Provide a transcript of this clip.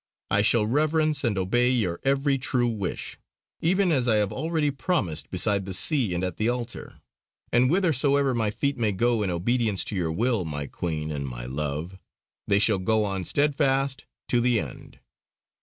I shall reverence and obey your every true wish; even as I have already promised beside the sea and at the altar. And whithersoever my feet may go in obedience to your will, my Queen and my Love, they shall go on steadfast, to the end."